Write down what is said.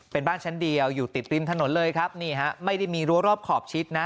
เป็นบ้านชั้นเดียวอยู่ติดริมถนนเลยครับนี่ฮะไม่ได้มีรั้วรอบขอบชิดนะ